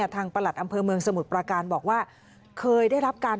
ทางประหลัดอำเภอเมืองสมุดประการบอกว่า